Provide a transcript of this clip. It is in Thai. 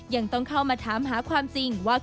ยังต้องเข้ามาถามหาความจริงว่า